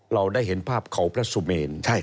เราได้เห็นภาพเขาพระสุเมน